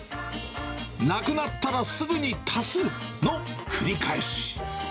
なくなったらすぐに足すの繰り返し。